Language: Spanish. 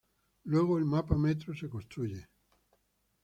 Luego el mapa metro se construye.